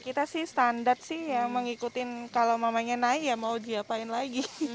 kita sih standar sih ya mengikuti kalau mamanya naik ya mau diapain lagi